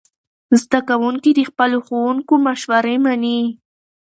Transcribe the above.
زده کوونکي د خپلو ښوونکو مشورې مني.